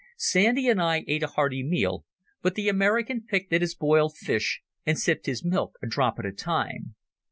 Sandy and I ate a hearty meal, but the American picked at his boiled fish and sipped his milk a drop at a time.